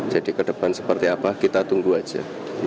jadi ke depan seperti apa kita tunggu aja